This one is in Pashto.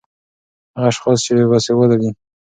هغه اشحاص چې باسېواده دي